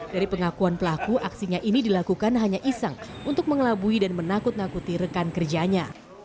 dari pengakuan pelaku aksinya ini dilakukan hanya iseng untuk mengelabui dan menakut nakuti rekan kerjanya